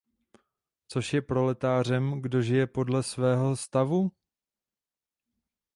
Což je proletářem, kdo žije podlé svého stavu?